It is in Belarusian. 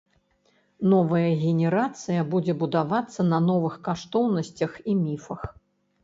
Новая генерацыя будзе будавацца на новых каштоўнасцях і міфах.